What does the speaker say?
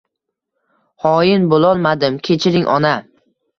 Hoin bulolmadimkechiring ona